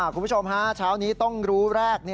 คุณผู้ชมชาวนี้ต้องรู้แรก